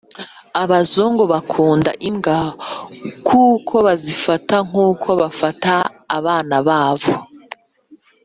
Abazungu bakunda imbwa kuko bazifata nkuko bafata abana babo